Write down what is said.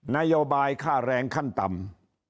นโยบายค่าแรงขั้นต่ำ